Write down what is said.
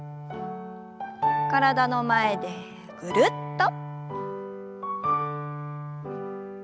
体の前でぐるっと。